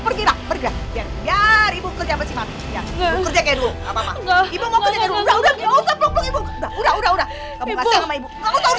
pergi bergerak biar ibu kerja bersihkan kerja kayak dulu nggak mau kerja udah udah udah udah